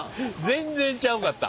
全然ちゃうかった。